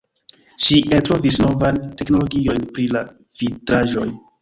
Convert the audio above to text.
Ŝi eltrovis novajn teknologiojn pri la vitraĵoj.